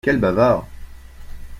Quel bavard !